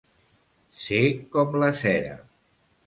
Ser com la cera.